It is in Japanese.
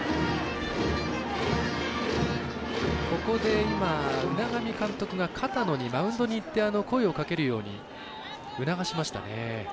ここで海上監督が片野にマウンドに行って声をかけるように促しました。